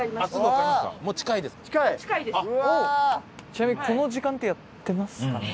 ちなみにこの時間ってやってますかね？